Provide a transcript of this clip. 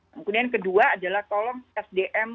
kemudian kedua adalah tolong sdm